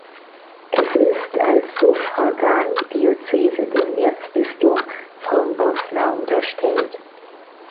Es ist als Suffragandiözese dem Erzbistum Vrhbosna unterstellt.